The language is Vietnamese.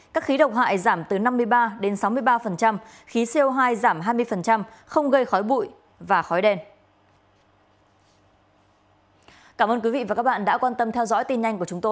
các khí độc hại giảm từ năm mươi ba đến sáu mươi ba khí co hai giảm hai mươi không gây khói bụi và khói đen